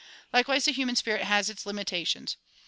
Likewise the hu man spirit has its limitations.